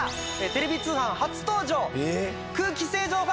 テレビ通販初登場。